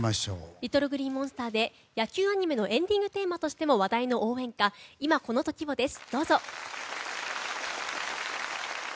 ＬｉｔｔｌｅＧｌｅｅＭｏｎｓｔｅｒで野球アニメのエンディングテーマとしても話題の応援歌「今この瞬間を」です。